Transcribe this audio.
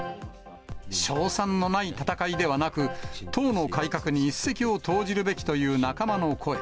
勝算のない戦いではなく、党の改革に一石を投じるべきという仲間の声。